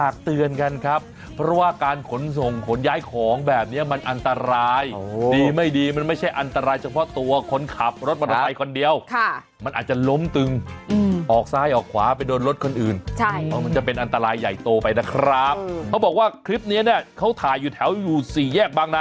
เขาบอกว่าคลิปนี้เนี่ยเขาถ่ายอยู่แถวอยู่๔แยกบางนะ